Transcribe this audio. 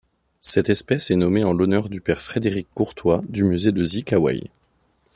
Cette espèce est nommée en l'honneur du père Frédéric Courtois, du musée de Zi-Ka-Wei.